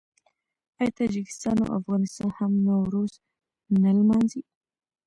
آیا تاجکستان او افغانستان هم نوروز نه لمانځي؟